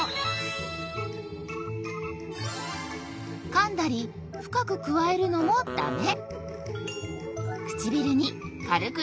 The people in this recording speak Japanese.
かんだりふかくくわえるのもダメ！